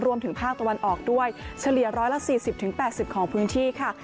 รวมถึงภาคตะวันออกด้วยเฉลี่ยร้อยละสี่สิบถึงแปดสิบของพื้นที่ค่ะ